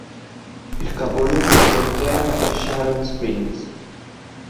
Il capoluogo di contea è Sharon Springs.